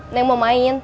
neng mau main